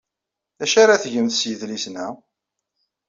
D acu ara tgemt s yidlisen-a?